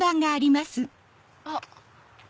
あっ。